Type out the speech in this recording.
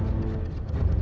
nanti aku akan datang